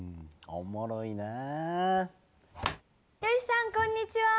よしさんこんにちは。